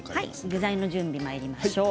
具材の準備にまいりましょう。